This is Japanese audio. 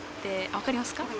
分かりますか？